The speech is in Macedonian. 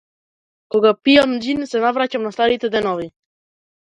Кога пијам џин се навраќам на старите денови.